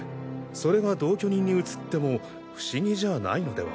それが同居人に移っても不思議じゃないのでは？